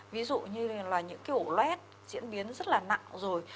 ví dụ như là những cái ổ lét diễn biến rất là nặng rồi